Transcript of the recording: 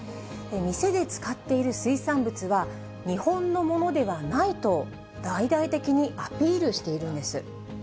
店で使っている水産物は、日本のものではないと、大々的にアピールしているんです。